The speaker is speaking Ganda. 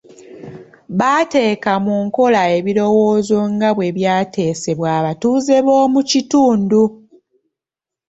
Baateeka mu nkola ebirowoozo nga bwe ebyateesebwa abatuuze b'omu kitundu.